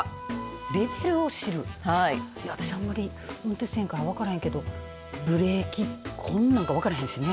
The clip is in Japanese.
私あまり運転せえへんから分からんけどブレーキ痕なんか分からへんしね。